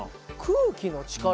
空気の力？